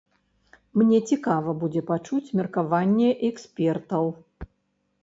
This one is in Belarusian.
Мне цікава будзе пачуць меркаванне экспертаў.